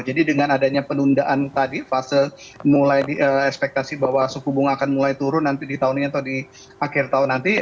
jadi dengan adanya penundaan tadi fase mulai ekspektasi bahwa suku bunga akan mulai turun di tahun ini atau di akhir tahun nanti